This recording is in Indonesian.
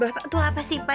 bapak tuh apa sih pak